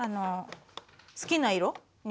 好きな色に。